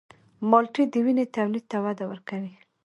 مالټې د وینې تولید ته وده ورکوي.